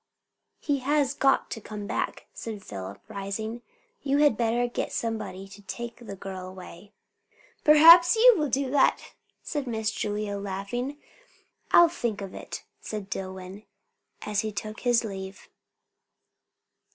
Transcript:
"He has got to come back," said Philip, rising. "You had better get somebody to take the girl away." "Perhaps you will do that?" said Miss Julia, laughing. "I'll think of it," said Dillwyn as he took leave.